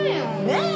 ねえ。